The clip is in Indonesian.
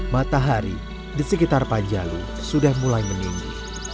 matahari di sekitar panjalu sudah mulai meninggi